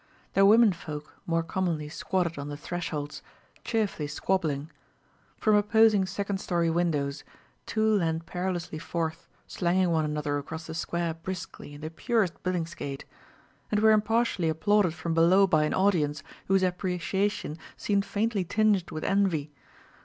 Their women folk more commonly squatted on the thresholds, cheerfully squabbling; from opposing second story windows, two leaned perilously forth, slanging one another across the square briskly in the purest billingsgate; and were impartially applauded from below by an audience whose appreciation seemed faintly tinged with envy.